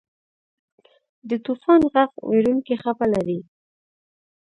د طوفان ږغ وېرونکې څپه لري.